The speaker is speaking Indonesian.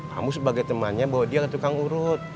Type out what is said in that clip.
kamu sebagai temannya bawa dia ke tukang urut